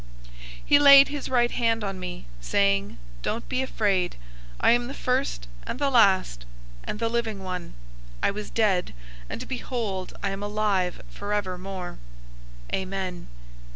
He laid his right hand on me, saying, "Don't be afraid. I am the first and the last, 001:018 and the Living one. I was dead, and behold, I am alive forevermore. Amen.